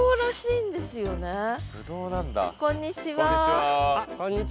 こんにちは。